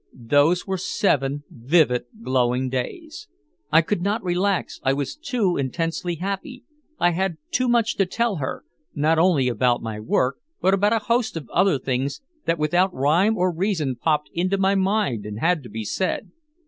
Those were seven vivid glowing days. I could not relax, I was too intensely happy, I had too much to tell her, not only about my work but about a host of other things that without rhyme or reason popped into my mind and had to be said.